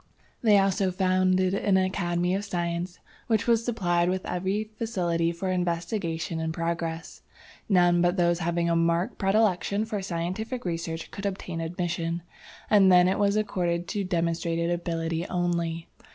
They also founded an academy of science, which was supplied with every facility for investigation and progress. None but those having a marked predilection for scientific research could obtain admission, and then it was accorded to demonstrated ability only.